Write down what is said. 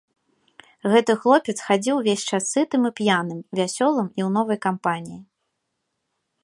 Гэты хлопец хадзіў увесь час сытым і п'яным, вясёлым і ў новай кампаніі.